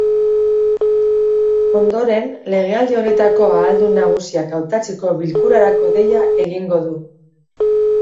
Ondoren, legealdi honetako ahaldun nagusiak hautatzeko bilkurarako deia egingo du.